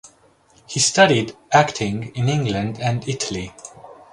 He studied acting in England and Italy.